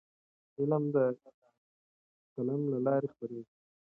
علم د قلم له لارې خپرېږي.